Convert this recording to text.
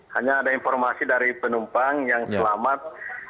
hanya ada informasi dari penumpang yang selamat